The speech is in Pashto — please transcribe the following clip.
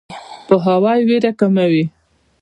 پوهاوی ویره کموي.